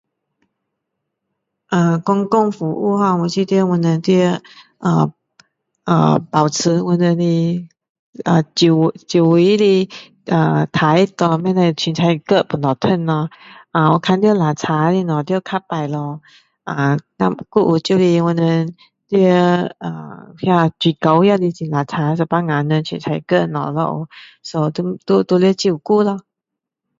啊，公共服务 uhm 我觉得我们要啊。啊。保持我们的 uhm 周-周围的 uhm 干净咯，不可以随便丢垃圾桶咯！有看见肮脏的东西要捡起来咯！啊，还有就是啊。我们要，uhm 那水沟也是很肮脏有时候人随便丢东西下去 so 都-都要照顾咯！